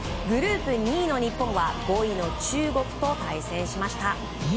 グループ２位の日本は５位の中国と対戦しました。